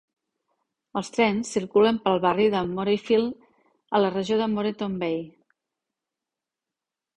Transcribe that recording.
Els trens circulen pel barri de Morayfield, a la regió de Moreton Bay.